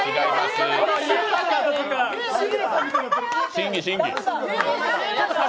審議、審議。